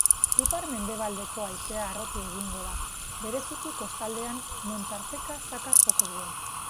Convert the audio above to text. Ipar-mendebaldeko haizea harrotu egingo da, bereziki kostaldean non tarteka zakar joko duen.